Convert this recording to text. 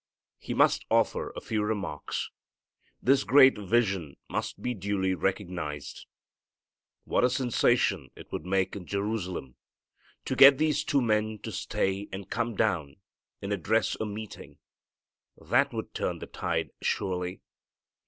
He must offer a few remarks. This great vision must be duly recognized. What a sensation it would make in Jerusalem to get these two men to stay and come down and address a meeting! That would turn the tide surely.